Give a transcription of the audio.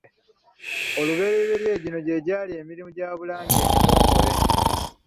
Oluberyeberye gino gye gyali emirimu gya Bulange emitongole.